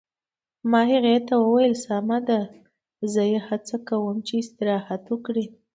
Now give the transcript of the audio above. ما هغې ته وویل: سمه ده، زه یې هڅه کوم چې استراحت وکړي.